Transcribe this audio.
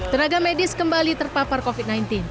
tenaga medis kembali terpapar covid sembilan belas